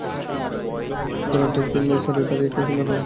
গোরা table ছাড়িয়া দাঁড়াইয়া কহিল, নাও, তোমার কথা ফিরিয়ে দাও।